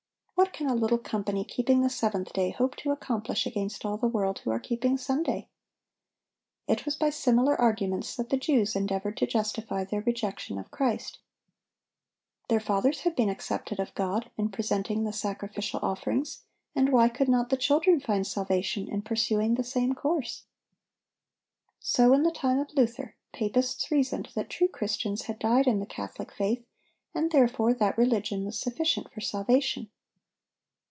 What can a little company keeping the seventh day hope to accomplish against all the world who are keeping Sunday?" It was by similar arguments that the Jews endeavored to justify their rejection of Christ. Their fathers had been accepted of God in presenting the sacrificial offerings, and why could not the children find salvation in pursuing the same course? So, in the time of Luther, papists reasoned that true Christians had died in the Catholic faith, and therefore that religion was sufficient for salvation.